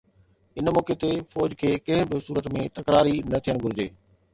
ان موقعي تي فوج کي ڪنهن به صورت ۾ تڪراري نه ٿيڻ گهرجي.